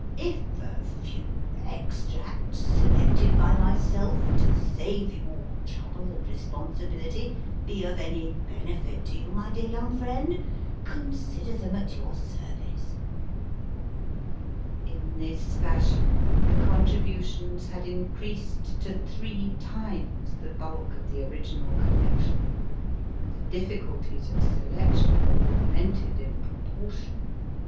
If a few extracts, selected by myself, to save you all trouble and re sponsibility, be of any benefit to you, my dear young friend, consider them at your service/ In this fashion the con tributions had increased to three times the bulk of the original collection, and the difficulties of selection were augmented in proportion.